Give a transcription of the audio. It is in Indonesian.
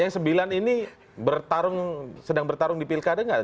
yang sembilan ini bertarung sedang bertarung di pilkada nggak